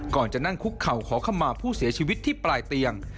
ก่อนจะนั่งคุกเข่าขอคำมาผู้เสียชีวิตที่ปลายเตียง